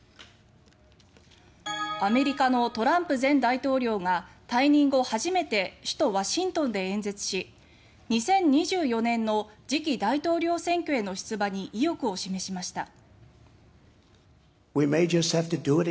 アメリカのトランプ前大統領が退任後初めて首都ワシントンで演説し２０２４年の次期大統領選挙への出馬に意欲を示しました。